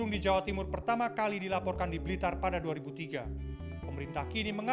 di mana kandang